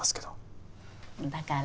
だから。